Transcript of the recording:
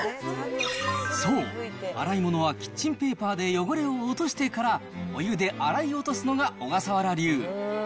そう、洗い物はキッチンペーパーで汚れを落としてから、お湯で洗い落とすのが小笠原流。